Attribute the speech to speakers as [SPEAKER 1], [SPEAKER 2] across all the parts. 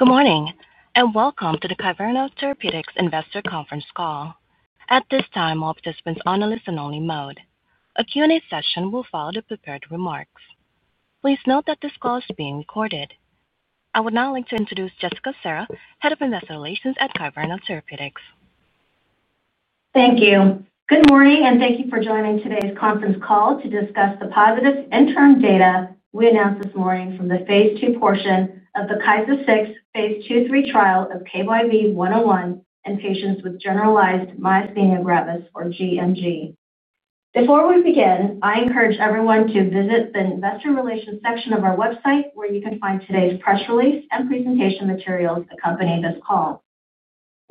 [SPEAKER 1] Good morning and welcome to the Kyverna Therapeutics Investor Conference call. At this time, all participants are on a listen-only mode. A Q&A session will follow the prepared remarks. Please note that this call is being recorded. I would now like to introduce Jessica Serra, Head of Investor Relations at Kyverna Therapeutics.
[SPEAKER 2] Thank you. Good morning and thank you for joining today's conference call to discuss the positive interim data we announced this morning from the phase II portion of the KYSA-6 Phase 2/3 trial of KYV-101 in patients with Generalized Myasthenia Gravis, or gMG. Before we begin, I encourage everyone to visit the Investor Relations section of our website, where you can find today's press release and presentation materials accompanying this call.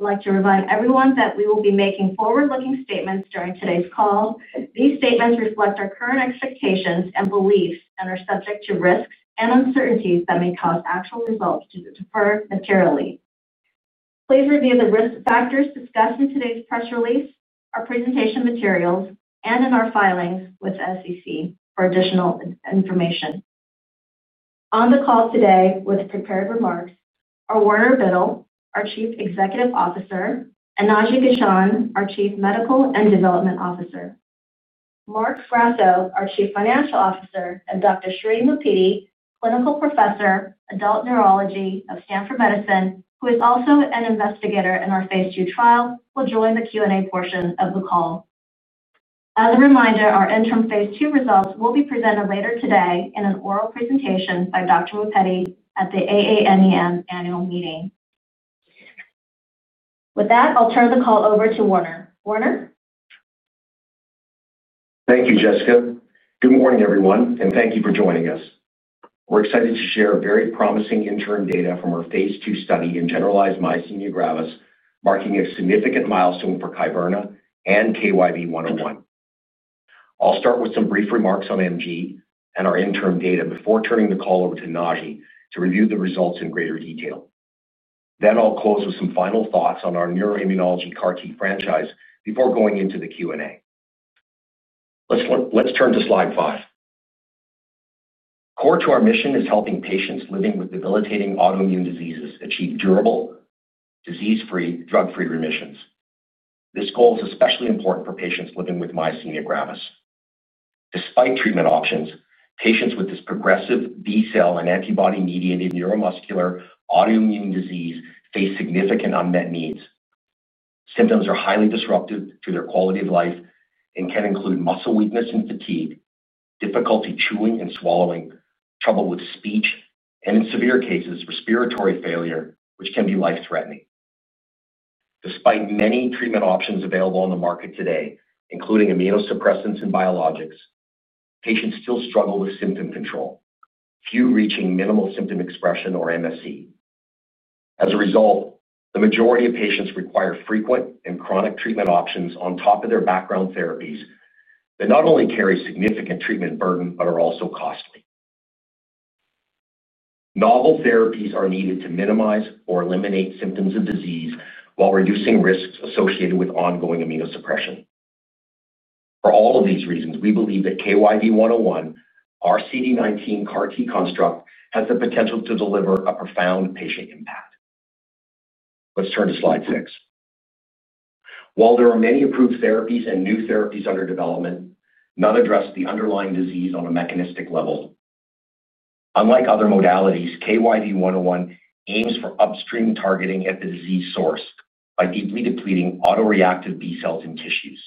[SPEAKER 2] I'd like to remind everyone that we will be making forward-looking statements during today's call. These statements reflect our current expectations and beliefs and are subject to risks and uncertainties that may cause actual results to differ materially. Please review the Risk Factors discussed in today's press release, our presentation materials, and in our filings with the SEC for additional information. On the call today with prepared remarks are Warner Biddle, our Chief Executive Officer, and Naji Gehchan, our Chief Medical and Development Officer. Marc Grasso, our Chief Financial Officer, and Dr. Sri Muppidi, Clinical Professor, Adult Neurology of Stanford Medicine, who is also an investigator in our phase II trial, will join the Q&A portion of the call. As a reminder, our interim phase II results will be presented later today in an oral presentation by Dr. Muppidi at the AANEM Annual Meeting. With that, I'll turn the call over to Warner. Warner.
[SPEAKER 3] Thank you, Jessica. Good morning, everyone, and thank you for joining us. We're excited to share very promising interim data from our phase II study in generalized myasthenia gravis, marking a significant milestone for Kyverna and KYV-101. I'll start with some brief remarks on MG and our interim data before turning the call over to Naji to review the results in greater detail. I'll close with some final thoughts on our neuroimmunology CAR T franchise before going into the Q&A. Let's turn to slide five. Core to our mission is helping patients living with debilitating autoimmune diseases achieve durable, disease-free, drug-free remissions. This goal is especially important for patients living with myasthenia gravis. Despite treatment options, patients with this progressive B-cell and antibody-mediated neuromuscular autoimmune disease face significant unmet needs. Symptoms are highly disruptive to their quality of life and can include muscle weakness and fatigue, difficulty chewing and swallowing, trouble with speech, and in severe cases, respiratory failure, which can be life-threatening. Despite many treatment options available on the market today, including immunosuppressants and biologics, patients still struggle with symptom control, few reaching minimal symptom expression or MSE. As a result, the majority of patients require frequent and chronic treatment options on top of their background therapies that not only carry a significant treatment burden but are also costly. Novel therapies are needed to minimize or eliminate symptoms of disease while reducing risks associated with ongoing immunosuppression. For all of these reasons, we believe that KYV-101, our CD19 CAR T construct, has the potential to deliver a profound patient impact. Let's turn to slide six. While there are many approved therapies and new therapies under development, none address the underlying disease on a mechanistic level. Unlike other modalities, KYV-101 aims for upstream targeting at the disease source by deeply depleting autoreactive B cells in tissues.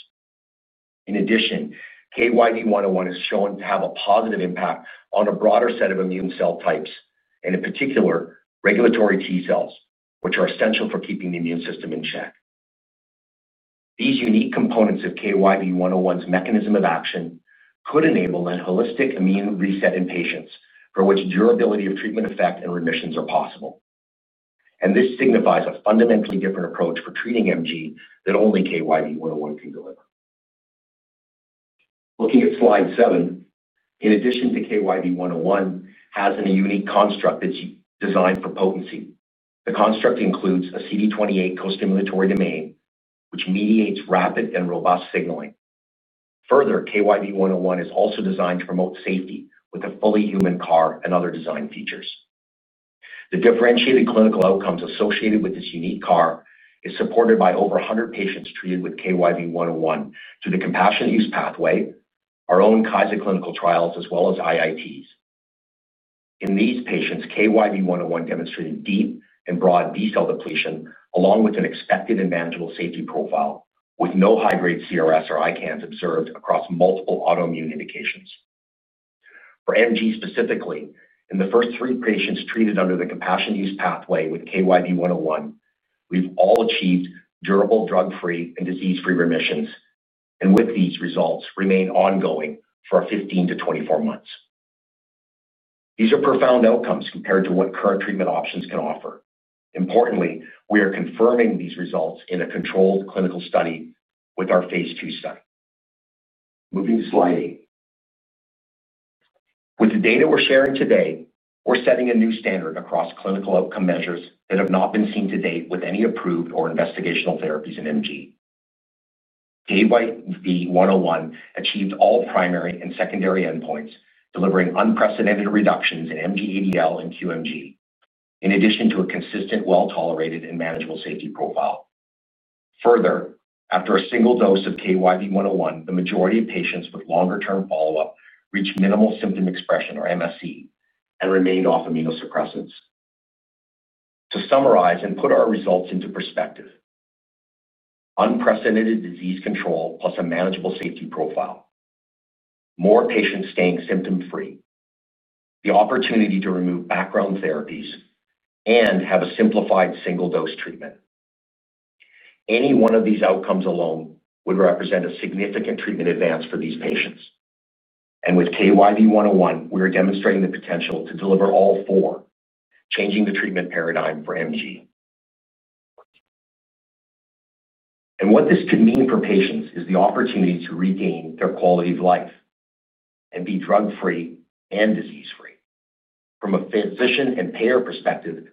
[SPEAKER 3] In addition, KYV-101 is shown to have a positive impact on a broader set of immune cell types and, in particular, regulatory T cells, which are essential for keeping the immune system in check. These unique components of KYV-101's mechanism of action could enable a holistic immune reset in patients for which durability of treatment effect and remissions are possible. This signifies a fundamentally different approach for treating MG that only KYV-101 can deliver. Looking at slide seven, in addition to KYV-101, it has a unique construct that's designed for potency. The construct includes a CD28 co-stimulatory domain, which mediates rapid and robust signaling. Further, KYV-101 is also designed to promote safety with a fully human CAR and other design features. The differentiated clinical outcomes associated with this unique CAR is supported by over 100 patients treated with KYV-101 through the compassionate use pathway, our own KYSA clinical trials, as well as IITs. In these patients, KYV-101 demonstrated deep and broad B cell depletion, along with an expected and manageable safety profile, with no high-grade CRS or ICANS observed across multiple autoimmune indications. For MG specifically, in the first three patients treated under the compassionate use pathway with KYV-101, we've all achieved durable, drug-free, and disease-free remissions, and these results remain ongoing for 15 to 24 months. These are profound outcomes compared to what current treatment options can offer. Importantly, we are confirming these results in a controlled clinical study with our phase II study. Moving to slide eight. With the data we're sharing today, we're setting a new standard across clinical outcome measures that have not been seen to date with any approved or investigational therapies in MG. KYV-101 achieved all primary and secondary endpoints, delivering unprecedented reductions in MG-ADL and QMG, in addition to a consistent, well-tolerated, and manageable safety profile. Further, after a single dose of KYV-101, the majority of patients with longer-term follow-up reached minimal symptom expression or MSE and remained off immunosuppressants. To summarize and put our results into perspective, unprecedented disease control plus a manageable safety profile, more patients staying symptom-free, the opportunity to remove background therapies, and a simplified single-dose treatment. Any one of these outcomes alone would represent a significant treatment advance for these patients. With KYV-101, we are demonstrating the potential to deliver all four, changing the treatment paradigm for MG. What this could mean for patients is the opportunity to regain their quality of life and be drug-free and disease-free. From a physician and payer perspective,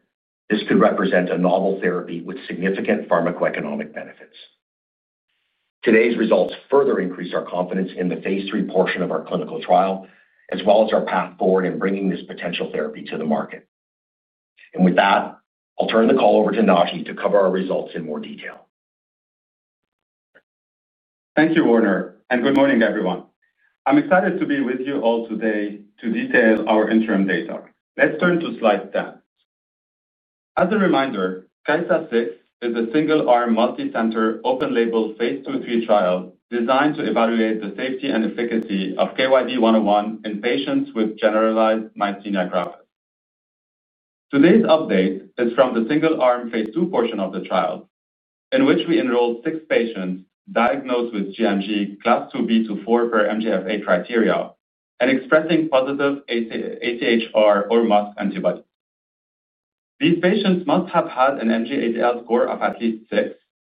[SPEAKER 3] this could represent a novel therapy with significant pharmacoeconomic benefits. Today's results further increase our confidence in the phase III portion of our clinical trial, as well as our path forward in bringing this potential therapy to the market. I'll turn the call over to Naji to cover our results in more detail.
[SPEAKER 4] Thank you, Warner, and good morning, everyone. I'm excited to be with you all today to detail our interim data. Let's turn to slide 10. As a reminder, KYSA-6 is a single-arm, multicenter, open-label phase 2/3 trial designed to evaluate the safety and efficacy of KYV-101 in patients with generalized myasthenia gravis. Today's update is from the single-arm phase II portion of the trial, in which we enrolled six patients diagnosed with gMG class IIB-IV per MGFA criteria and expressing positive AChR or MuSK antibodies. These patients must have had an MG-ADL score of at least 6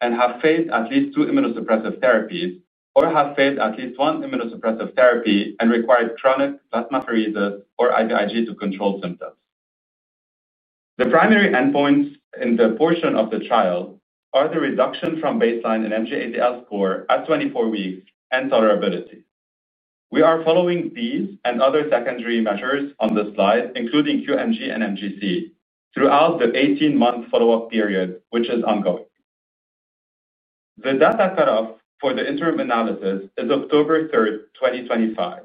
[SPEAKER 4] and have failed at least two immunosuppressive therapies or have failed at least one immunosuppressive therapy and required chronic plasmapheresis or IVIG to control symptoms. The primary endpoints in the portion of the trial are the reduction from baseline in MG-ADL score at 24 weeks and tolerability. We are following these and other secondary measures on the slide, including QMG and MGC, throughout the 18-month follow-up period, which is ongoing. The data cutoff for the interim analysis is October 3rd, 2025.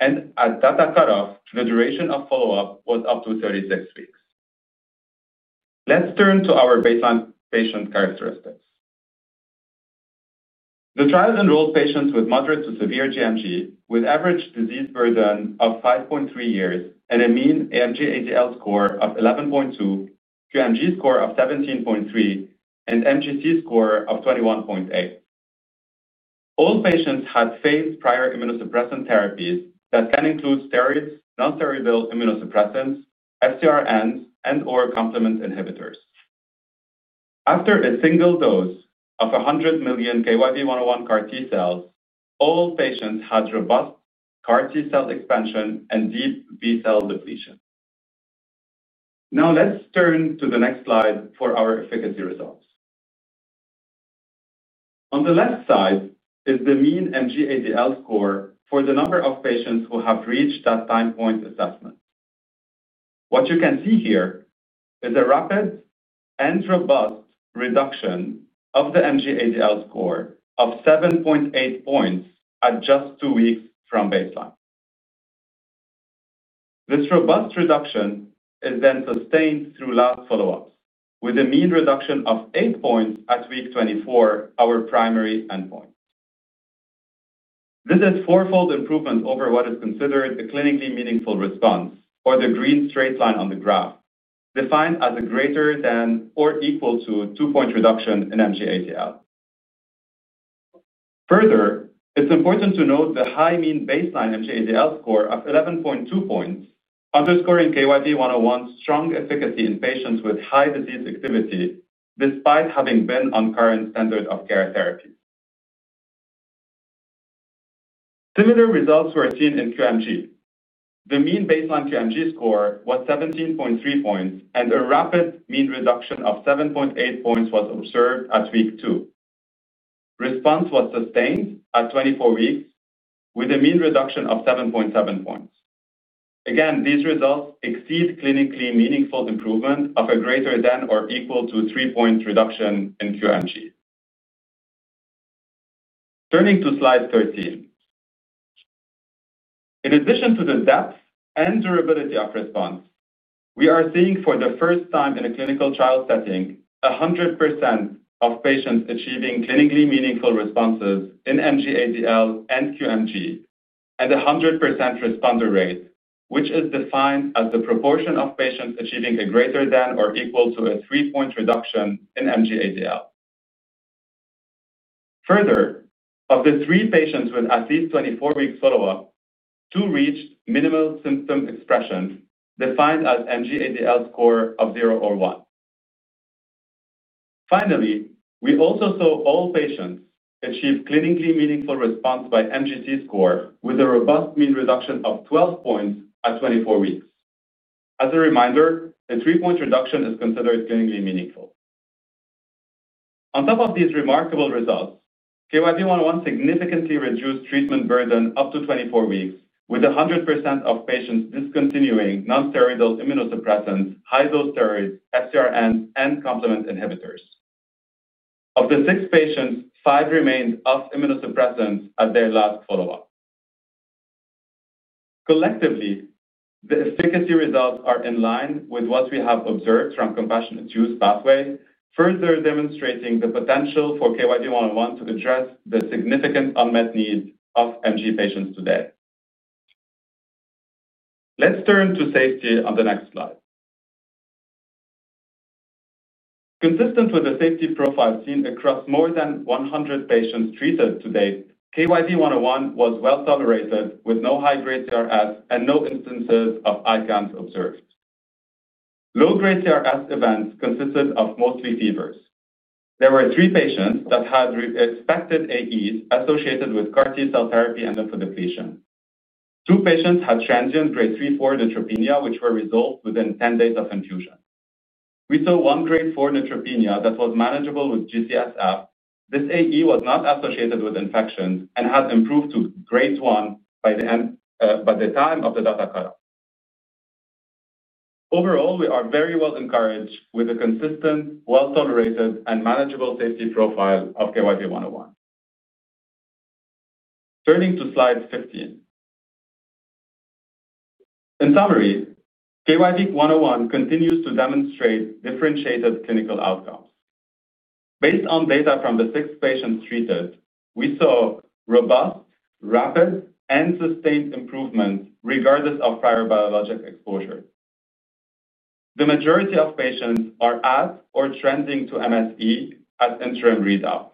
[SPEAKER 4] At data cutoff, the duration of follow-up was up to 36 weeks. Let's turn to our baseline patient characteristics. The trial enrolled patients with moderate to severe gMG, with average disease burden of 5.3 years and a mean MG-ADL score of 11.2, QMG score of 17.3, and MGC score of 21.8. All patients had failed prior immunosuppressant therapies that can include steroids, nonsteroidal immunosuppressants, FcRNs, and/or complement inhibitors. After a single dose of 100 million KYV-101 CAR T cells, all patients had robust CAR T cell expansion and deep B cell depletion. Now let's turn to the next slide for our efficacy results. On the left side is the mean MG-ADL score for the number of patients who have reached that time point assessment. What you can see here is a rapid and robust reduction of the MG-ADL score of 7.8 points at just two weeks from baseline. This robust reduction is then sustained through last follow-ups, with a mean reduction of 8 points at week 24, our primary endpoint. This is a four-fold improvement over what is considered a clinically meaningful response, or the green straight line on the graph, defined as a greater than or equal to 2-point reduction in MG-ADL. Further, it's important to note the high mean baseline MG-ADL score of 11.2 points, underscoring KYV-101's strong efficacy in patients with high disease activity despite having been on current standard of care therapy. Similar results were seen in QMG. The mean baseline QMG score was 17.3 points, and a rapid mean reduction of 7.8 points was observed at week two. Response was sustained at 24 weeks, with a mean reduction of 7.7 points. Again, these results exceed clinically meaningful improvement of a greater than or equal to three points reduction in QMG. Turning to slide 13. In addition to the depth and durability of response, we are seeing for the first time in a clinical trial setting 100% of patients achieving clinically meaningful responses in MG-ADL and QMG, and a 100% responder rate, which is defined as the proportion of patients achieving a greater than or equal to a three-point reduction in MG-ADL. Further, of the three patients with at least 24 weeks follow-up, two reached minimal symptom expression, defined as MG-ADL score of zero or one. Finally, we also saw all patients achieve clinically meaningful response by MGC score, with a robust mean reduction of 12 points at 24 weeks. As a reminder, a three-point reduction is considered clinically meaningful. On top of these remarkable results, KYV-101 significantly reduced treatment burden up to 24 weeks, with 100% of patients discontinuing nonsteroidal immunosuppressants, high-dose steroids, FcRns, and complement inhibitors. Of the six patients, five remained off immunosuppressants at their last follow-up. Collectively, the efficacy results are in line with what we have observed from compassionate use pathway, further demonstrating the potential for KYV-101 to address the significant unmet needs of MG patients today. Let's turn to safety on the next slide. Consistent with the safety profile seen across more than 100 patients treated to date, KYV-101 was well tolerated, with no high-grade CRS and no instances of ICANS observed. Low-grade CRS events consisted of mostly fevers. There were three patients that had expected AEs associated with CAR T cell therapy and lymphodepletion. Two patients had transient Grade 3/4 neutropenia, which were resolved within 10 days of infusion. We saw one Grade 4 neutropenia that was manageable with GCSF. This AE was not associated with infections and had improved to Grade 1 by the time of the data cutoff. Overall, we are very well encouraged with a consistent, well-tolerated, and manageable safety profile of KYV-101. Turning to slide 15. In summary, KYV-101 continues to demonstrate differentiated clinical outcomes. Based on data from the six patients treated, we saw robust, rapid, and sustained improvement regardless of prior biologic exposure. The majority of patients are at or trending to MSE as interim readouts,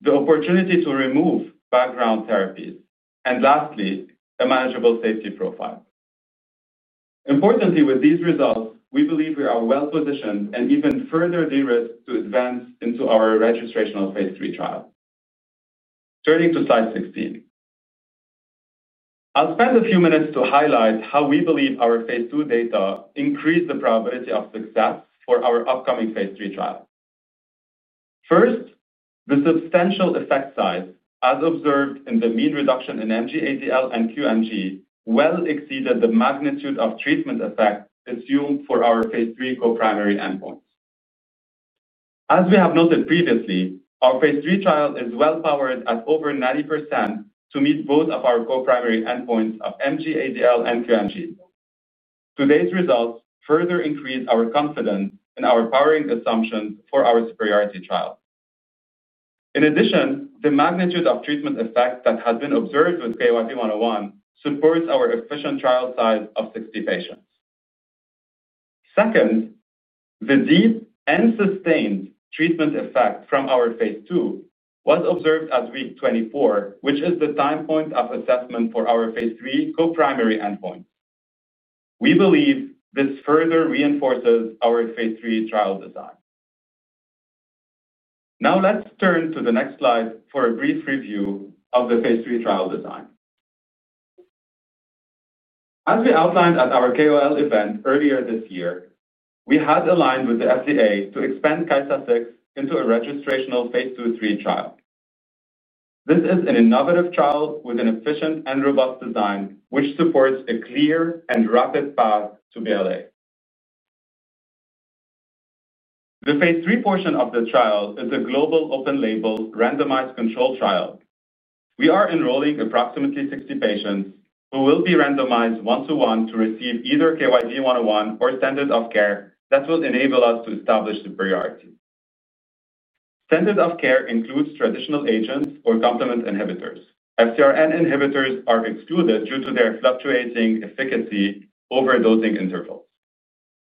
[SPEAKER 4] the opportunity to remove background therapies, and lastly, a manageable safety profile. Importantly, with these results, we believe we are well-positioned and even further de-risked to advance into our registration of phase III trial. Turning to slide 16. I'll spend a few minutes to highlight how we believe our phase II data increased the probability of success for our upcoming phase III trial. First, the substantial effect size, as observed in the mean reduction in MG-ADL and QMG, well exceeded the magnitude of treatment effect assumed for our phase III co-primary endpoints. As we have noted previously, our phase III trial is well-powered at over 90% to meet both of our co-primary endpoints of MG-ADL and QMG. Today's results further increase our confidence in our powering assumptions for our superiority trial. In addition, the magnitude of treatment effect that had been observed with KYV-101 supports our efficient trial size of 60 patients. Second, the deep and sustained treatment effect from our phase II was observed at week 24, which is the time point of assessment for our phase III co-primary endpoints. We believe this further reinforces our phase III trial design. Now let's turn to the next slide for a brief review of the phase III trial design. As we outlined at our KOL event earlier this year, we had aligned with the FDA to expand KYSA clinical trial programs into a registrational phase II three trial. This is an innovative trial with an efficient and robust design, which supports a clear and rapid path to BLA. The phase III portion of the trial is a global open-label randomized control trial. We are enrolling approximately 60 patients who will be randomized one-to-one to receive either KYV-101 or standard of care that will enable us to establish superiority. Standard of care includes traditional agents or complement inhibitors. FcRn inhibitors are excluded due to their fluctuating efficacy over dosing intervals.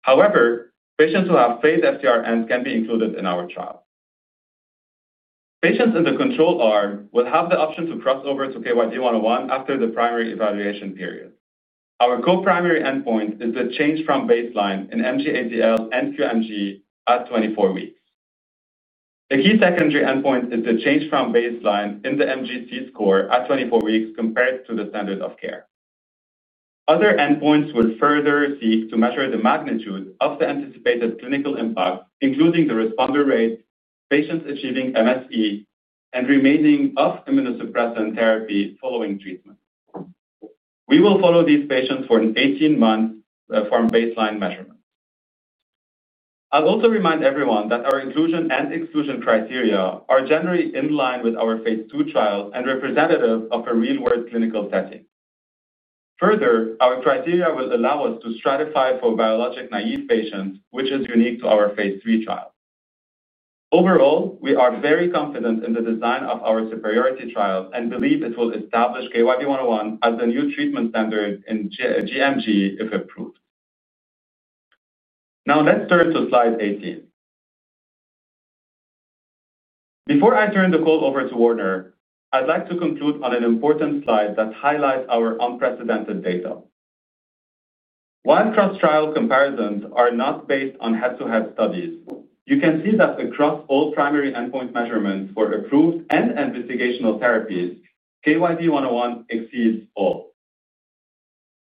[SPEAKER 4] However, patients who have failed FcRns can be included in our trial. Patients in the control R will have the option to cross over to KYV-101 after the primary evaluation period. Our co-primary endpoint is the change from baseline in MG-ADL and QMG at 24 weeks. A key secondary endpoint is the change from baseline in the MGC score at 24 weeks compared to the standard of care. Other endpoints will further seek to measure the magnitude of the anticipated clinical impact, including the responder rate, patients achieving MSE, and remaining off immunosuppressant therapy following treatment. We will follow these patients for 18 months from baseline measurements. I'll also remind everyone that our inclusion and exclusion criteria are generally in line with our phase II trials and representative of a real-world clinical setting. Further, our criteria will allow us to stratify for biologic naive patients, which is unique to our phase III trial. Overall, we are very confident in the design of our superiority trial and believe it will establish KYV-101 as the new treatment standard in gMG if approved. Now let's turn to slide 18. Before I turn the call over to Warner, I'd like to conclude on an important slide that highlights our unprecedented data. While cross-trial comparisons are not based on head-to-head studies, you can see that across all primary endpoint measurements for approved and investigational therapies, KYV-101 exceeds all.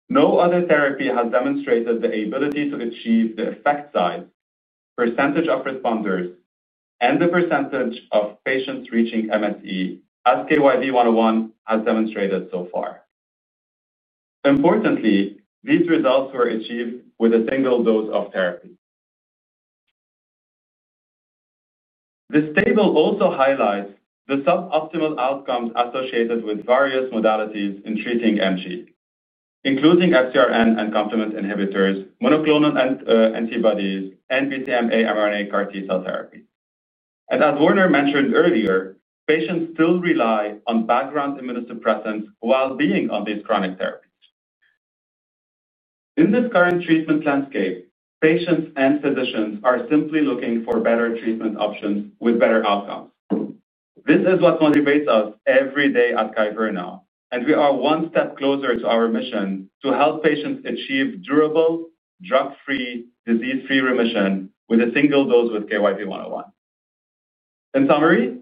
[SPEAKER 4] No other therapy has demonstrated the ability to achieve the effect size, percentage of responders, and the percentage of patients reaching MSE, as KYV-101 has demonstrated so far. Importantly, these results were achieved with a single dose of therapy. This table also highlights the suboptimal outcomes associated with various modalities in treating MG, including FcRn and complement inhibitors, monoclonal antibodies, and BCMA mRNA CAR T cell therapy. As Warner mentioned earlier, patients still rely on background immunosuppressants while being on these chronic therapies. In this current treatment landscape, patients and physicians are simply looking for better treatment options with better outcomes. This is what motivates us every day at Kyverna Therapeutics, and we are one step closer to our mission to help patients achieve durable, drug-free, disease-free remission with a single dose with KYV-101. In summary,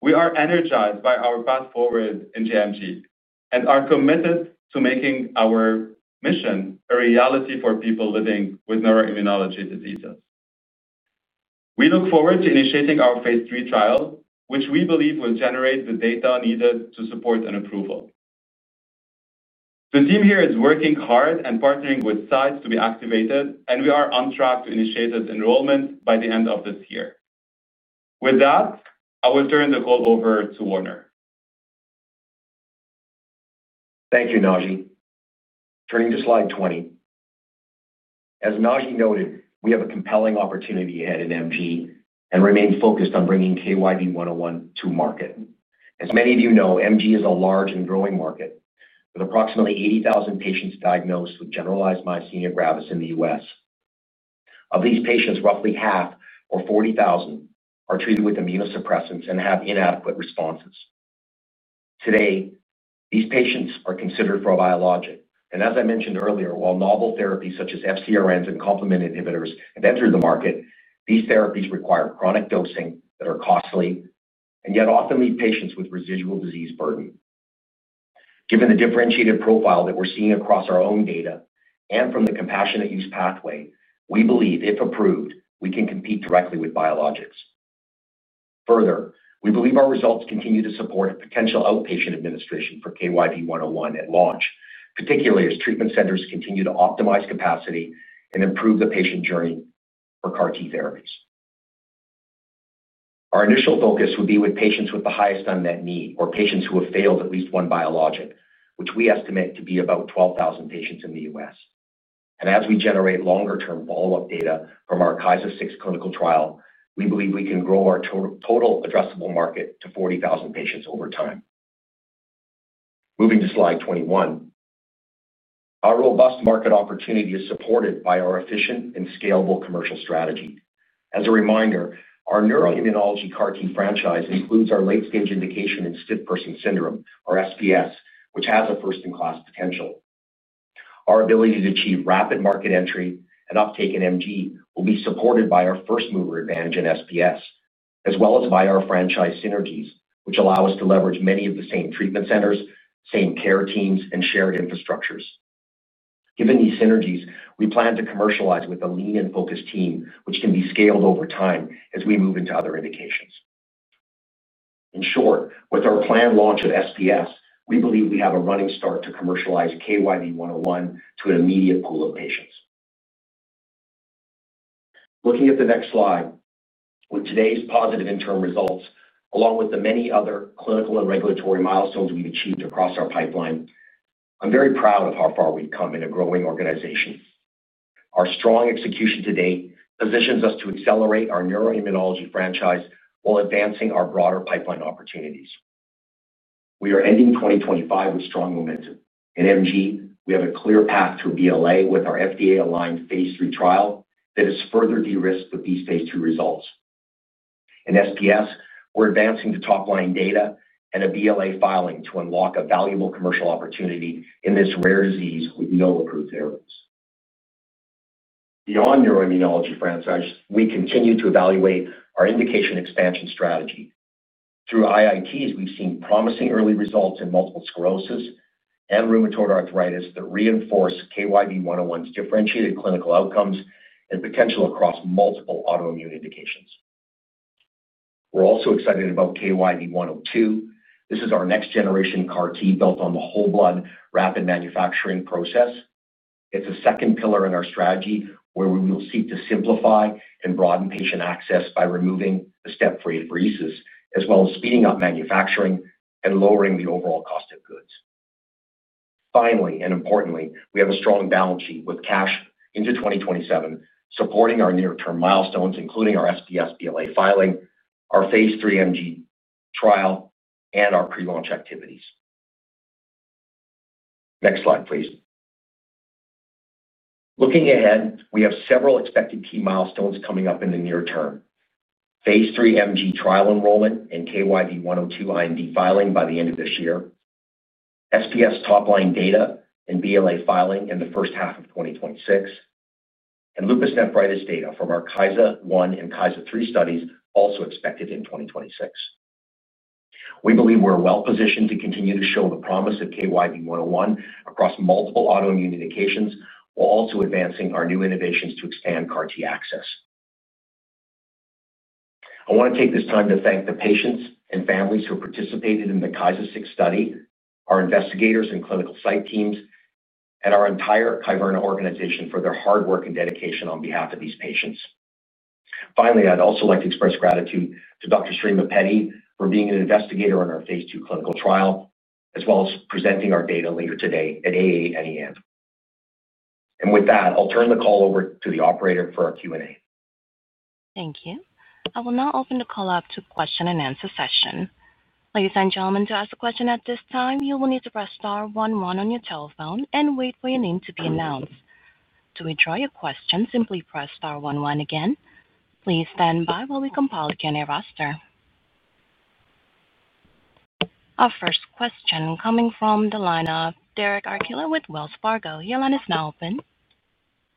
[SPEAKER 4] we are energized by our path forward in gMG and are committed to making our mission a reality for people living with neuroimmunology diseases. We look forward to initiating our phase III trial, which we believe will generate the data needed to support an approval. The team here is working hard and partnering with sites to be activated, and we are on track to initiate enrollment by the end of this year. With that, I will turn the call over to Warner.
[SPEAKER 3] Thank you, Naji. Turning to slide 20. As Naji noted, we have a compelling opportunity ahead in MG and remain focused on bringing KYV-101 to market. As many of you know, MG is a large and growing market with approximately 80,000 patients diagnosed with generalized myasthenia gravis in the U.S. Of these patients, roughly half, or 40,000, are treated with immunosuppressants and have inadequate responses. Today, these patients are considered for a biologic. As I mentioned earlier, while novel therapies such as FcRns and complement inhibitors have entered the market, these therapies require chronic dosing that is costly and yet often leaves patients with residual disease burden. Given the differentiated profile that we're seeing across our own data and from the compassionate use pathway, we believe, if approved, we can compete directly with biologics. Further, we believe our results continue to support a potential outpatient administration for KYV-101 at launch, particularly as treatment centers continue to optimize capacity and improve the patient journey for CAR T therapies. Our initial focus would be with patients with the highest unmet need or patients who have failed at least one biologic, which we estimate to be about 12,000 patients in the U.S. As we generate longer-term follow-up data from our KYSA clinical trial, we believe we can grow our total addressable market to 40,000 patients over time. Moving to slide 21, our robust market opportunity is supported by our efficient and scalable commercial strategy. As a reminder, our neuroimmunology CAR T franchise includes our late-stage indication in stiff person syndrome, or SPS, which has a first-in-class potential. Our ability to achieve rapid market entry and uptake in MG will be supported by our first-mover advantage in SPS, as well as by our franchise synergies, which allow us to leverage many of the same treatment centers, same care teams, and shared infrastructures. Given these synergies, we plan to commercialize with a lean and focused team, which can be scaled over time as we move into other indications. In short, with our planned launch of SPS, we believe we have a running start to commercialize KYV-101 to an immediate pool of patients. Looking at the next slide, with today's positive interim results, along with the many other clinical and regulatory milestones we've achieved across our pipeline, I'm very proud of how far we've come in a growing organization. Our strong execution today positions us to accelerate our neuroimmunology franchise while advancing our broader pipeline opportunities. We are ending 2025 with strong momentum. In MG, we have a clear path to a BLA with our FDA-aligned phase III trial that is further de-risked with these phase II results. In SPS, we're advancing to top-line data and a BLA filing to unlock a valuable commercial opportunity in this rare disease with no approved therapies. Beyond neuroimmunology franchise, we continue to evaluate our indication expansion strategy. Through IITs, we've seen promising early results in multiple sclerosis and rheumatoid arthritis that reinforce KYV-101's differentiated clinical outcomes and potential across multiple autoimmune indications. We're also excited about KYV-102. This is our next-generation CAR T built on the whole blood rapid manufacturing process. It's a second pillar in our strategy where we will seek to simplify and broaden patient access by removing the step-free apheresis, as well as speeding up manufacturing and lowering the overall cost of goods. Finally, and importantly, we have a strong balance sheet with cash into 2027 supporting our near-term milestones, including our SPS BLA filing, our phase III MG trial, and our pre-launch activities. Next slide, please. Looking ahead, we have several expected key milestones coming up in the near term. Phase three MG trial enrollment and KYV-102 IND filing by the end of this year. SPS top-line data and BLA filing in the first half of 2026. Lupus Nephritis data from our KYSA-1 and KYSA-3 studies also expected in 2026. We believe we're well-positioned to continue to show the promise of KYV-101 across multiple autoimmune indications while also advancing our new innovations to expand CAR T access. I want to take this time to thank the patients and families who participated in the KYSA-6 study, our investigators and clinical site teams, and our entire Kyverna Therapeutics organization for their hard work and dedication on behalf of these patients. Finally, I'd also like to express gratitude to Dr. Sri Muppidi for being an investigator on our phase II clinical trial, as well as presenting our data later today at AANEM. With that, I'll turn the call over to the operator for our Q&A.
[SPEAKER 1] Thank you. I will now open the call up to a question and answer session. Ladies and gentlemen, to ask a question at this time, you will need to press star one one on your telephone and wait for your name to be announced. To withdraw your question, simply press star one one again. Please stand by while we compile the Q&A roster. Our first question coming from the line of Derek Archila with Wells Fargo. Your line is now open.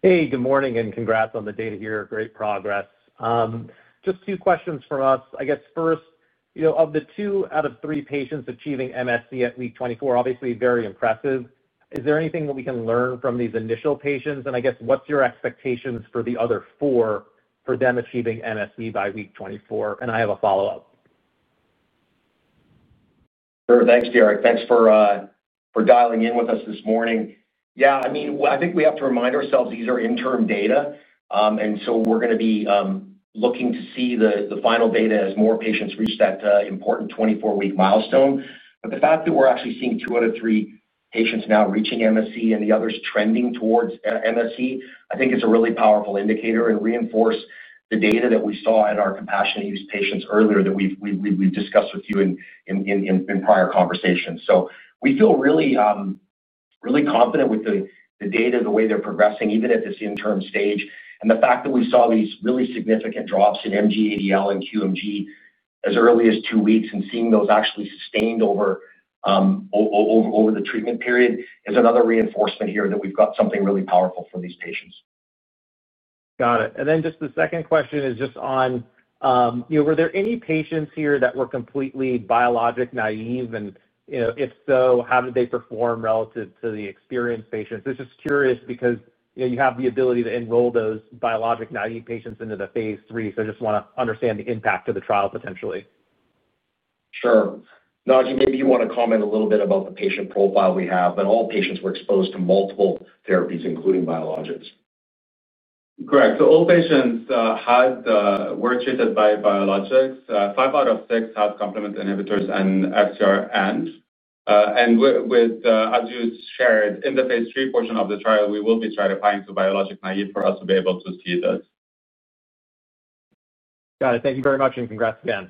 [SPEAKER 5] Hey, good morning and congrats on the data here. Great progress. Just two questions from us. I guess first, you know, of the two out of three patients achieving MSE at week 24, obviously very impressive. Is there anything that we can learn from these initial patients? What's your expectations for the other four for them achieving MSE by week 24? I have a follow-up.
[SPEAKER 3] Sure. Thanks, Derek. Thanks for dialing in with us this morning. I mean, I think we have to remind ourselves these are interim data, and we're going to be looking to see the final data as more patients reach that important 24-week milestone. The fact that we're actually seeing two out of three patients now reaching MSE and the others trending towards MSE, I think it's a really powerful indicator and reinforces the data that we saw in our compassionate use patients earlier that we've discussed with you in prior conversations. We feel really, really confident with the data, the way they're progressing, even at this interim stage. The fact that we saw these really significant drops in MG-ADL and QMG as early as two weeks and seeing those actually sustained over the treatment period is another reinforcement here that we've got something really powerful for these patients.
[SPEAKER 5] Got it. The second question is just on, you know, were there any patients here that were completely biologic naive? If so, how did they perform relative to the experienced patients? This is just curious because you have the ability to enroll those biologic naive patients into the phase III. I just want to understand the impact of the trial potentially.
[SPEAKER 3] Sure. Naji, maybe you want to comment a little bit about the patient profile we have, and all patients were exposed to multiple therapies, including biologics.
[SPEAKER 4] Correct. All patients were treated by biologics. Five out of six had complement inhibitors and FcRns. As you shared, in the phase III portion of the trial, we will be stratifying to biologic naive for us to be able to see this.
[SPEAKER 5] Got it. Thank you very much, and congrats again.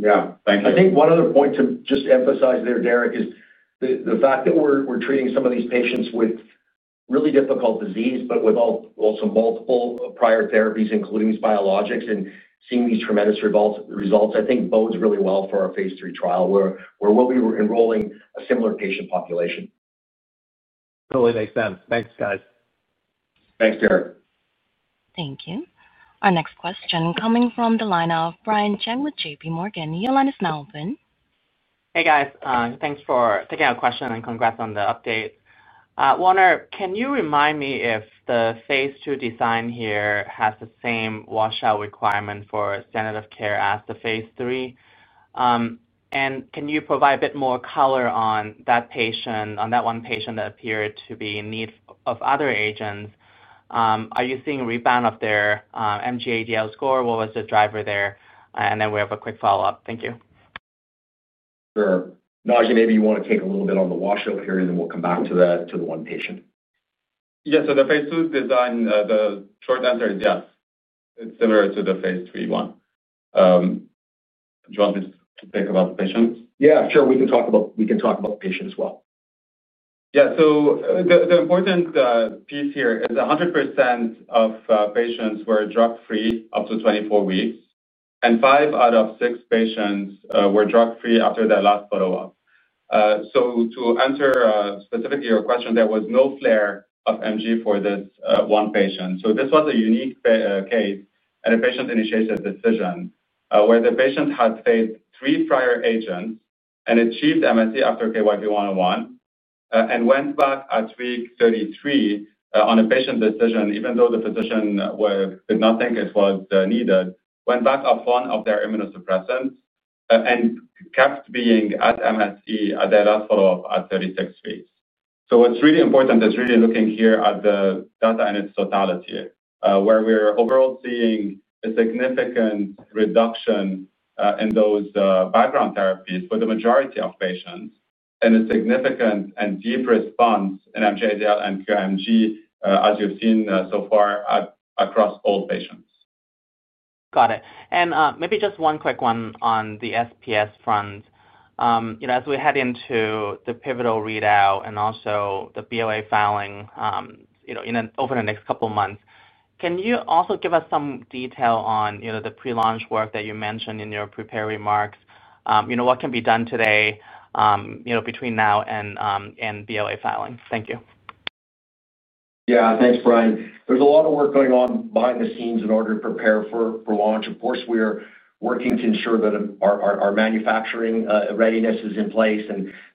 [SPEAKER 4] Thank you.
[SPEAKER 3] I think one other point to just emphasize there, Derek, is the fact that we're treating some of these patients with really difficult disease, but with also multiple prior therapies, including these biologics, and seeing these tremendous results, I think bodes really well for our phase III trial where we'll be enrolling a similar patient population.
[SPEAKER 5] Totally makes sense. Thanks, guys.
[SPEAKER 3] Thanks, Derek.
[SPEAKER 1] Thank you. Our next question coming from the line of Brian Cheng with JPMorgan. Your line is now open.
[SPEAKER 6] Hey, guys. Thanks for taking out a question and congrats on the update. Warner, can you remind me if the phase II design here has the same washout requirement for standard of care as the phase III? Can you provide a bit more color on that patient, on that one patient that appeared to be in need of other agents? Are you seeing a rebound of their MG-ADL score? What was the driver there? We have a quick follow-up. Thank you.
[SPEAKER 3] Sure. Naji, maybe you want to take a little bit on the washout period, and then we'll come back to the one patient.
[SPEAKER 4] Yeah. The phase II design, the short answer is yes. It's similar to the phase III one. Do you want me to speak about the patients?
[SPEAKER 3] Yeah, sure. We can talk about the patient as well.
[SPEAKER 4] Yeah. The important piece here is 100% of patients were drug-free up to 24 weeks, and five out of six patients were drug-free after that last follow-up. To answer specifically your question, there was no flare of MG for this one patient. This was a unique case and a patient-initiated decision where the patient had failed three prior agents and achieved MSE after KYV-101 and went back at week 33 on a patient decision, even though the physician did not think it was needed, went back off one of their immunosuppressants and kept being at MSE at their last follow-up at 36 weeks. What's really important is really looking here at the data in its totality, where we're overall seeing a significant reduction in those background therapies for the majority of patients and a significant and deep response in MG-ADL and QMG, as you've seen so far across all patients.
[SPEAKER 6] Got it. Maybe just one quick one on the SPS front. As we head into the pivotal readout and also the BLA filing over the next couple of months, can you also give us some detail on the pre-launch work that you mentioned in your prepared remarks? What can be done today between now and BLA filing? Thank you.
[SPEAKER 3] Yeah. Thanks, Brian. There's a lot of work going on behind the scenes in order to prepare for launch. Of course, we are working to ensure that our manufacturing readiness is in place.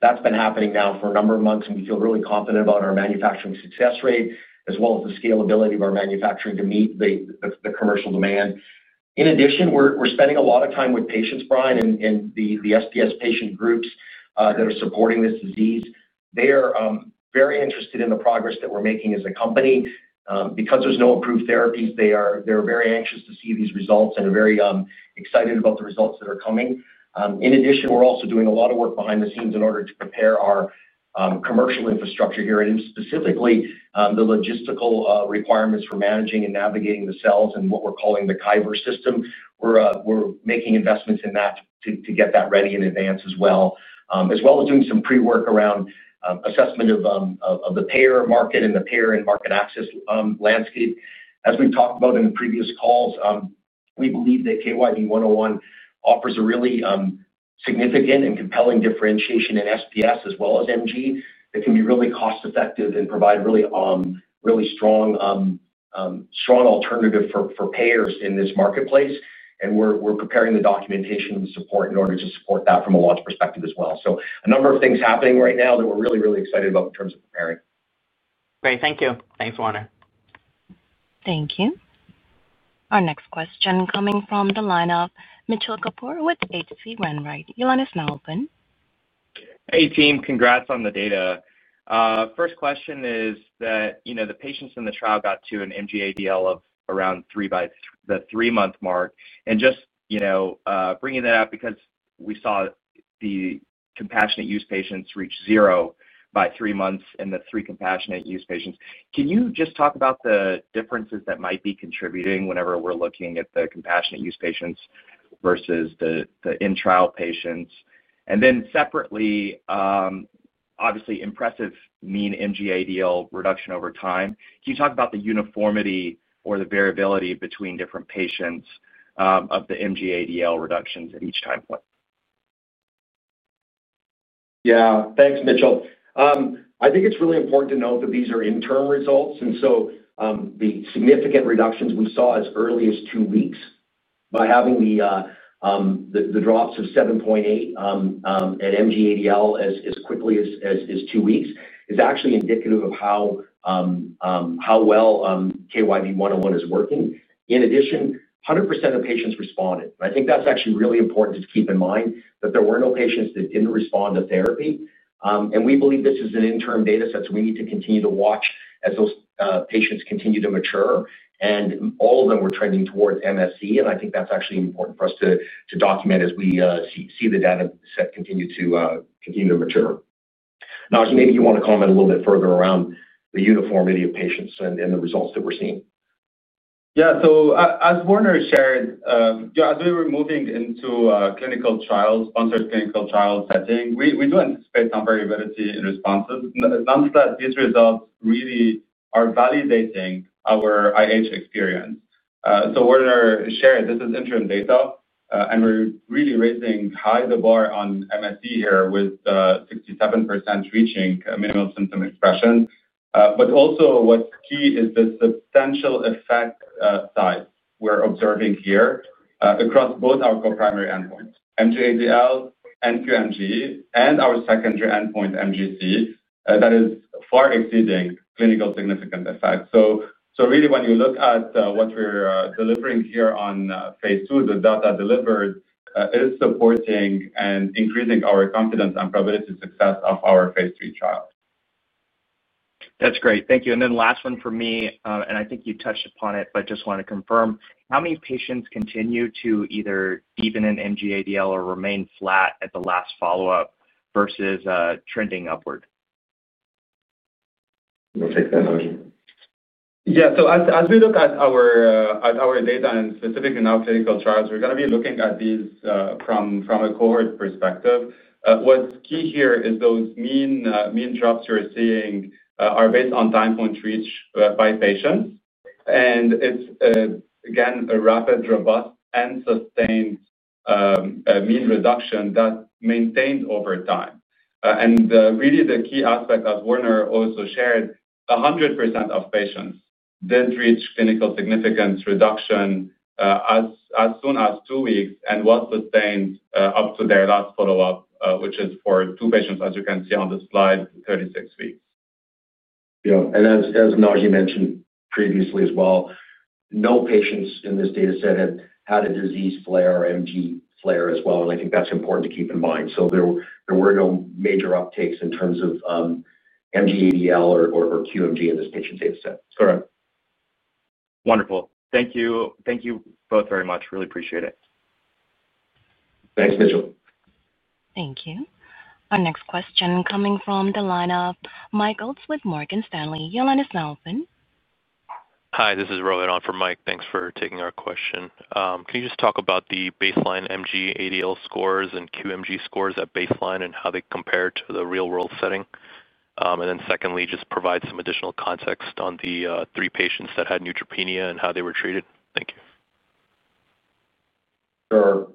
[SPEAKER 3] That's been happening now for a number of months, and we feel really confident about our manufacturing success rate, as well as the scalability of our manufacturing to meet the commercial demand. In addition, we're spending a lot of time with patients, Brian, and the SPS patient groups that are supporting this disease. They are very interested in the progress that we're making as a company. Because there's no approved therapies, they are very anxious to see these results and are very excited about the results that are coming. In addition, we're also doing a lot of work behind the scenes in order to prepare our commercial infrastructure here, and specifically the logistical requirements for managing and navigating the cells and what we're calling the Kyver system. We're making investments in that to get that ready in advance as well, as well as doing some pre-work around assessment of the payer market and the payer and market access landscape. As we've talked about in previous calls, we believe that KYV-101 offers a really significant and compelling differentiation in SPS as well as MG that can be really cost-effective and provide a really, really strong alternative for payers in this marketplace. We're preparing the documentation and the support in order to support that from a launch perspective as well. A number of things are happening right now that we're really, really excited about in terms of preparing.
[SPEAKER 6] Great. Thank you. Thanks, Warner.
[SPEAKER 1] Thank you. Our next question coming from the line of Mitchell Kapoor with H.C. Wainwright. Your line is now open.
[SPEAKER 7] Hey, team. Congrats on the data. First question is that, you know, the patients in the trial got to an MG-ADL of around 3 by the three-month mark. Just bringing that up because we saw the compassionate use patients reach zero by three months and the three compassionate use patients. Can you just talk about the differences that might be contributing whenever we're looking at the compassionate use patients versus the in-trial patients? Separately, obviously, impressive mean MG-ADL reduction over time. Can you talk about the uniformity or the variability between different patients of the MG-ADL reductions at each time point?
[SPEAKER 3] Yeah. Thanks, Mitchell. I think it's really important to note that these are interim results. The significant reductions we saw as early as two weeks by having the drops of 7.8 in MG-ADL as quickly as two weeks is actually indicative of how well KYV-101 is working. In addition, 100% of patients responded. I think that's actually really important to keep in mind that there were no patients that didn't respond to therapy. We believe this is an interim data set, so we need to continue to watch as those patients continue to mature. All of them were trending towards MSE. I think that's actually important for us to document as we see the data set continue to mature. Naji, maybe you want to comment a little bit further around the uniformity of patients and the results that we're seeing.
[SPEAKER 4] Yeah. As Warner shared, you know, as we were moving into a clinical trial, sponsored clinical trial setting, we do anticipate some variability in responses. Nonetheless, these results really are validating our IH experience. As Warner shared, this is interim data, and we're really raising high the bar on MSE here with 67% reaching minimal symptom expressions. What's key is the substantial effect size we're observing here across both our co-primary endpoints, MG-ADL and QMG, and our secondary endpoint MGC that is far exceeding clinical significant effect. When you look at what we're delivering here on phase II, the data delivered is supporting and increasing our confidence and probability success of our phase III trial.
[SPEAKER 7] That's great. Thank you. Last one for me, I think you touched upon it, but just want to confirm, how many patients continue to either deepen in MG-ADL or remain flat at the last follow-up versus trending upward?
[SPEAKER 4] Yeah. As we look at our data and specifically in our clinical trials, we're going to be looking at these from a cohort perspective. What's key here is those mean drops you're seeing are based on time point reached by patients. It's, again, a rapid, robust, and sustained mean reduction that's maintained over time. Really, the key aspect, as Warner also shared, 100% of patients did reach clinical significance reduction as soon as two weeks and was sustained up to their last follow-up, which is for two patients, as you can see on the slide, 36 weeks.
[SPEAKER 3] Yeah. As Naji mentioned previously as well, no patients in this data set had had a disease flare or MG flare as well. I think that's important to keep in mind. There were no major uptakes in terms of MG-ADL or QMG in this patient data set.
[SPEAKER 4] Correct.
[SPEAKER 7] Wonderful. Thank you. Thank you both very much. Really appreciate it.
[SPEAKER 3] Thanks, Mitchell.
[SPEAKER 1] Thank you. Our next question coming from the line of Mike Ulz with Morgan Stanley. Your line is now open. Hi. This is Rohan on for Mike. Thanks for taking our question. Can you just talk about the baseline MG-ADL scores and QMG scores at baseline and how they compare to the real-world setting? Secondly, just provide some additional context on the three patients that had neutropenia and how they were treated. Thank you.
[SPEAKER 3] Sure.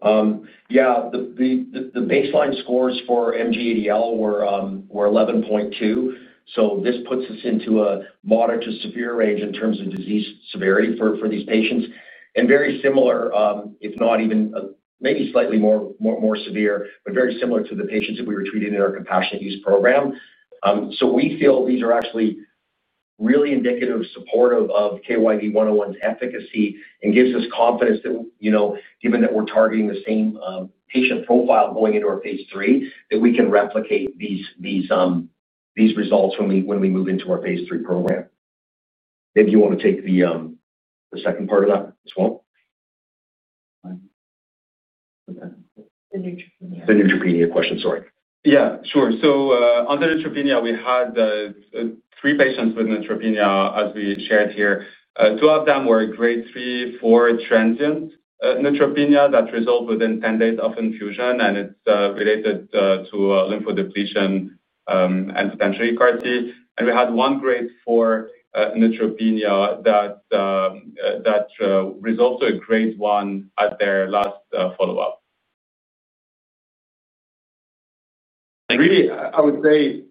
[SPEAKER 3] Yeah. The baseline scores for MG-ADL were 11.2. This puts us into a moderate to severe range in terms of disease severity for these patients. Very similar, if not even maybe slightly more severe, but very similar to the patients that we were treating in our compassionate use program. We feel these are actually really indicative of support of KYV-101's efficacy and gives us confidence that, you know, given that we're targeting the same patient profile going into our phase III, we can replicate these results when we move into our phase III program. Maybe you want to take the second part of that as well? The neutropenia question, sorry.
[SPEAKER 4] Yeah. Sure. On the neutropenia, we had three patients with neutropenia, as we shared here. Two of them were Grade 3/4 transient neutropenia that resolved within 10 days of infusion, and it's related to lymphodepletion and potentially CAR T. We had one Grade 4 neutropenia that resolved to a Grade 1 at their last follow-up. I would say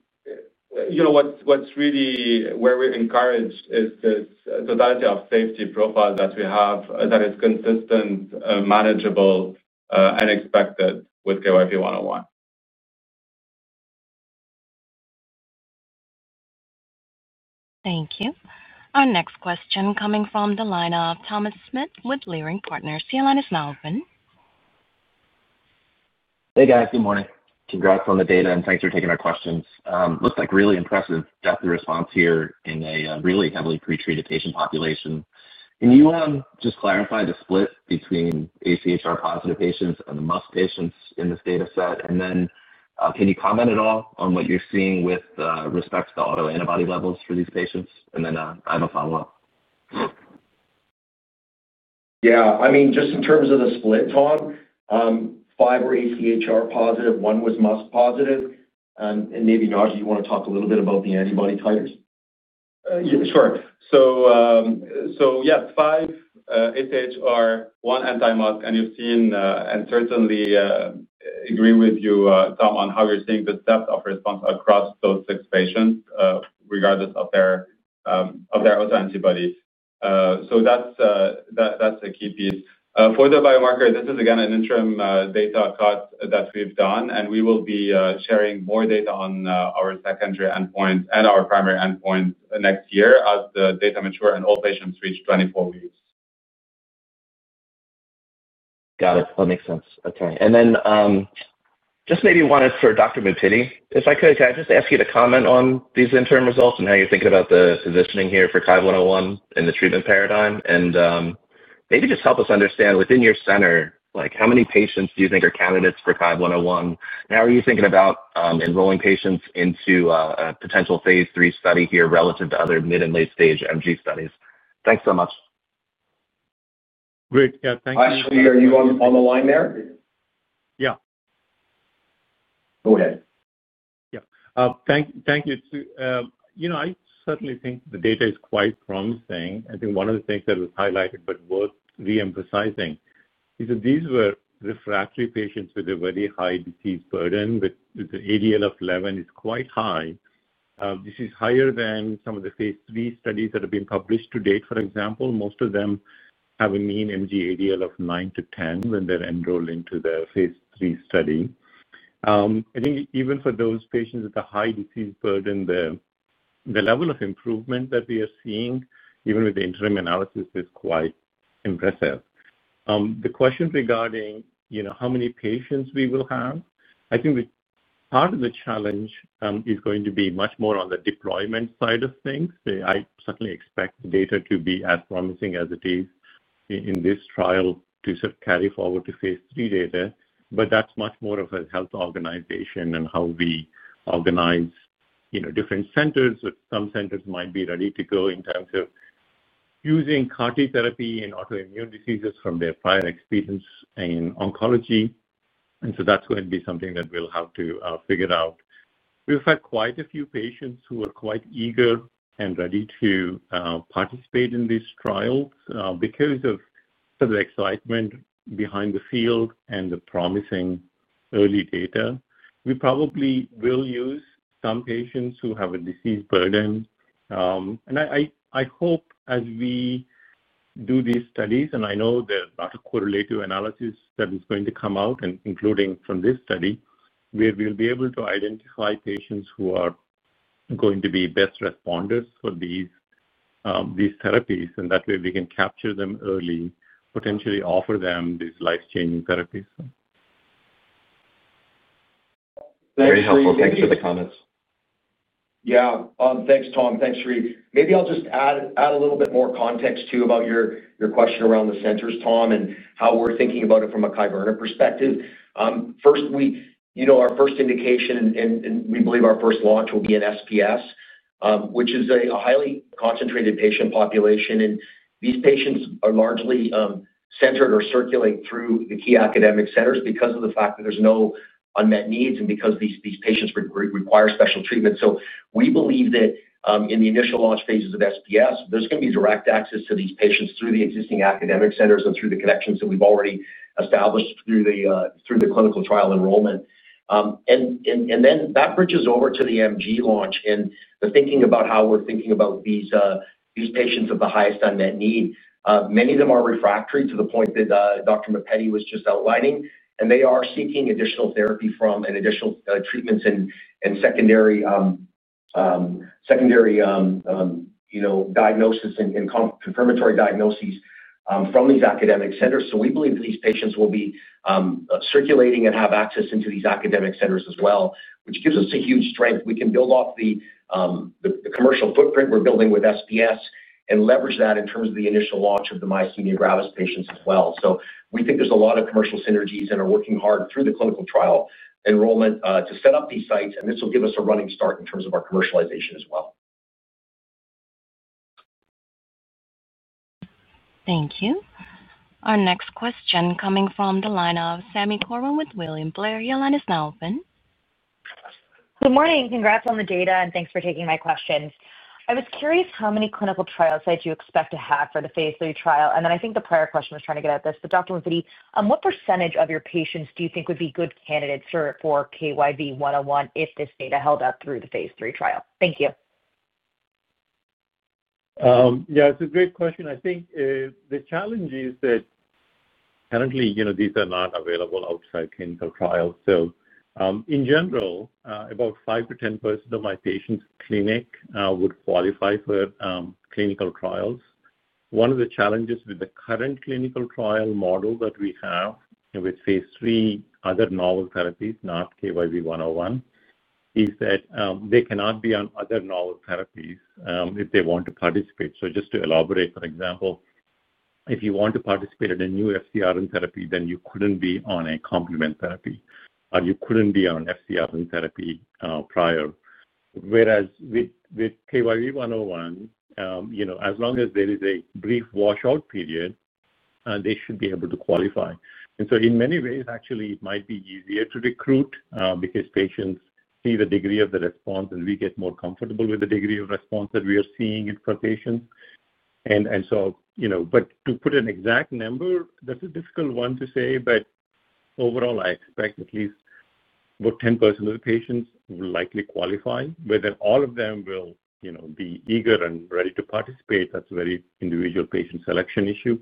[SPEAKER 4] what's really where we're encouraged is this totality of safety profile that we have that is consistent, manageable, and expected with KYV-101.
[SPEAKER 1] Thank you. Our next question coming from the line of Thomas Smith with Leerink Partners. Your line is now open.
[SPEAKER 8] Hey, guys. Good morning. Congrats on the data, and thanks for taking our questions. Looks like really impressive depth of response here in a really heavily pretreated patient population. Can you just clarify the split between AChR positive patients and the MuSK patients in this data set? Can you comment at all on what you're seeing with respect to the autoantibody levels for these patients? I have a follow-up.
[SPEAKER 3] Yeah. I mean, just in terms of the split, Tom, five were AChR positive, one was MuSK positive. Maybe, Naji, you want to talk a little bit about the antibody titers?
[SPEAKER 4] Yeah. Sure. Yes, five AChR, one anti-MuSK, and you've seen, and certainly agree with you, Tom, on how you're seeing the depth of response across those six patients, regardless of their autoantibodies. That's a key piece. For the biomarker, this is, again, an interim data cut that we've done, and we will be sharing more data on our secondary endpoints and our primary endpoints next year as the data mature and all patients reach 24 weeks.
[SPEAKER 8] Got it. That makes sense. Okay. Maybe one for Dr. Muppidi. If I could, can I just ask you to comment on these interim results and how you think about the positioning here for KYV-101 in the treatment paradigm? Maybe just help us understand within your center, like how many patients do you think are candidates for KYV-101? How are you thinking about enrolling patients into a potential phase III study here relative to other mid and late-stage MG studies? Thanks so much.
[SPEAKER 9] Great. Thank you.
[SPEAKER 3] Dr. Sri, are you on the line there?
[SPEAKER 9] Yeah.
[SPEAKER 3] Go ahead.
[SPEAKER 9] Yeah. Thank you. I certainly think the data is quite promising. I think one of the things that was highlighted but worth re-emphasizing is that these were refractory patients with a very high disease burden, with the ADL of 11, which is quite high. This is higher than some of the phase III studies that have been published to date. For example, most of them have a mean MG-ADL of 9 to 10 when they're enrolled into the phase III study. I think even for those patients with a high disease burden, the level of improvement that we are seeing, even with the interim analysis, is quite impressive. The question regarding how many patients we will have, I think part of the challenge is going to be much more on the deployment side of things. I certainly expect the data to be as promising as it is in this trial to sort of carry forward to phase III data. That's much more of a health organization and how we organize different centers. Some centers might be ready to go in terms of using CAR T therapy in autoimmune diseases from their prior experience in oncology. That is going to be something that we'll have to figure out. We've had quite a few patients who are quite eager and ready to participate in these trials because of the excitement behind the field and the promising early data. We probably will use some patients who have a disease burden. I hope as we do these studies, and I know there's a lot of correlative analysis that is going to come out, including from this study, where we'll be able to identify patients who are going to be best responders for these therapies. That way, we can capture them early, potentially offer them these life-changing therapies.
[SPEAKER 8] Very helpful. Thanks for the comments.
[SPEAKER 3] Yeah. Thanks, Tom. Thanks, Sri. Maybe I'll just add a little bit more context too about your question around the centers, Tom, and how we're thinking about it from a Kyverna perspective. First, we, you know, our first indication and we believe our first launch will be in SPS, which is a highly concentrated patient population. These patients are largely centered or circulate through the key academic centers because of the fact that there's no unmet needs and because these patients require special treatment. We believe that, in the initial launch phases of SPS, there's going to be direct access to these patients through the existing academic centers and through the connections that we've already established through the clinical trial enrollment. That bridges over to the MG launch and the thinking about how we're thinking about these patients of the highest unmet need. Many of them are refractory to the point that Dr. Muppidi was just outlining, and they are seeking additional therapy and additional treatments and secondary, you know, diagnosis and confirmatory diagnoses from these academic centers. We believe that these patients will be circulating and have access into these academic centers as well, which gives us a huge strength. We can build off the commercial footprint we're building with SPS and leverage that in terms of the initial launch of the myasthenia gravis patients as well. We think there's a lot of commercial synergies and are working hard through the clinical trial enrollment to set up these sites. This will give us a running start in terms of our commercialization as well.
[SPEAKER 1] Thank you. Our next question coming from the line of Sami Corwin with William Blair. Your line is now open.
[SPEAKER 10] Good morning. Congrats on the data and thanks for taking my questions. I was curious how many clinical trial sites you expect to have for the phase III trial. I think the prior question was trying to get at this. Dr. Muppidi, what percentage of your patients do you think would be good candidates for KYV-101 if this data held up through the phase III trial? Thank you.
[SPEAKER 9] Yeah. It's a great question. I think the challenge is that currently, you know, these are not available outside clinical trials. In general, about 5%-10% of my patients' clinic would qualify for clinical trials. One of the challenges with the current clinical trial model that we have with phase III other novel therapies, not KYV-101, is that they cannot be on other novel therapies if they want to participate. Just to elaborate, for example, if you want to participate in a new FcRn therapy, then you couldn't be on a complement therapy or you couldn't be on FcRn therapy prior. Whereas with KYV-101, you know, as long as there is a brief washout period, they should be able to qualify. In many ways, actually, it might be easier to recruit because patients see the degree of the response and we get more comfortable with the degree of response that we are seeing for patients. To put an exact number, that's a difficult one to say. Overall, I expect at least about 10% of the patients will likely qualify. Whether all of them will, you know, be eager and ready to participate, that's a very individual patient selection issue.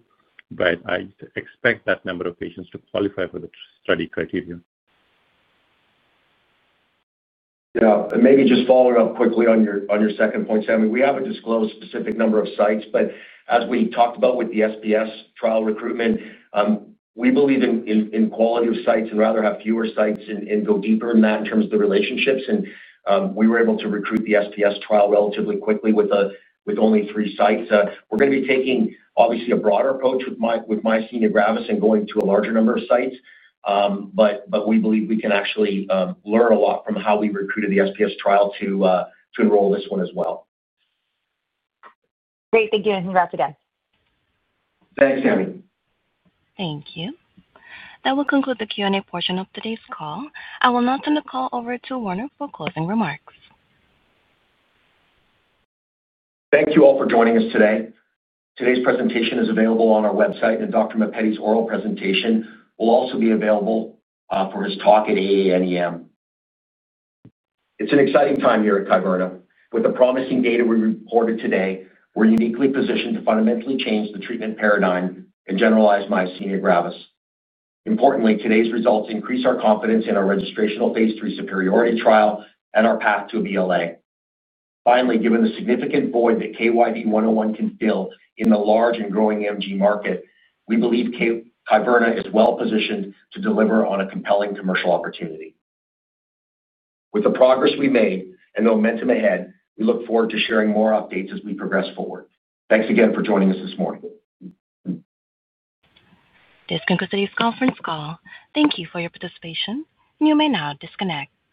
[SPEAKER 9] I expect that number of patients to qualify for the study criteria.
[SPEAKER 3] Yeah. Maybe just following up quickly on your second point, Sami, we haven't disclosed a specific number of sites. As we talked about with the SPS trial recruitment, we believe in quality of sites and would rather have fewer sites and go deeper in that in terms of the relationships. We were able to recruit the SPS trial relatively quickly with only three sites. We're going to be taking, obviously, a broader approach with myasthenia gravis and going to a larger number of sites. We believe we can actually learn a lot from how we recruited the SPS trial to enroll this one as well.
[SPEAKER 10] Great. Thank you and congrats again.
[SPEAKER 3] Thanks, Sami.
[SPEAKER 1] Thank you. That will conclude the Q&A portion of today's call. I will now turn the call over to Warner for closing remarks.
[SPEAKER 3] Thank you all for joining us today. Today's presentation is available on our website. Dr. Muppidi's oral presentation will also be available for his talk at AANEM. It's an exciting time here at Kyverna. With the promising data we reported today, we're uniquely positioned to fundamentally change the treatment paradigm in generalized myasthenia gravis. Importantly, today's results increase our confidence in our registrational phase III superiority trial and our path to a BLA. Given the significant void that KYV-101 can fill in the large and growing MG market, we believe Kyverna Therapeutics is well-positioned to deliver on a compelling commercial opportunity. With the progress we made and the momentum ahead, we look forward to sharing more updates as we progress forward. Thanks again for joining us this morning.
[SPEAKER 1] This concludes today's conference call. Thank you for your participation. You may now disconnect.